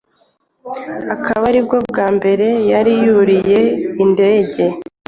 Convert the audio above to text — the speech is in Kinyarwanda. akaba aribwo bwa mbere yari yuriye indege